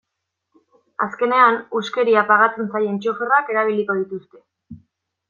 Azkenean, huskeria pagatzen zaien txoferrak erabiliko dituzte.